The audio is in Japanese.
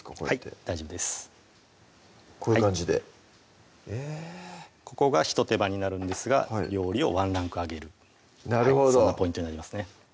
はい大丈夫ですこういう感じでえここがひと手間になるんですが料理をワンランク上げるなるほどそんなポイントになりますね